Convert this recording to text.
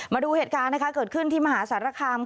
มาดูเหตุการณ์เกิดขึ้นที่มหาสารคาม